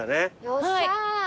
よっしゃ。